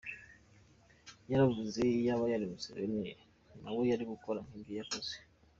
Yaravuze ngo iyaba yari Museveni nawe yari gukora nkibyo yakoze.